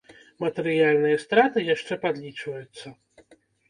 Матэрыяльныя страты яшчэ падлічваюцца.